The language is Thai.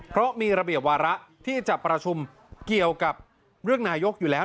เพราะมีระเบียบวาระที่จะประชุมเกี่ยวกับเรื่องนายกอยู่แล้ว